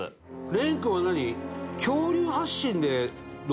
蓮君は何？